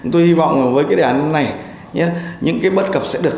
tôi hy vọng với cái đề án này những cái bất cập sẽ được